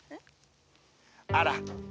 あら。